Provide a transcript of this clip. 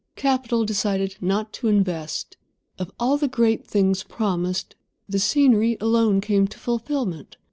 Capital decided not to invest. Of all the great things promised, the scenery alone came to fulfilment.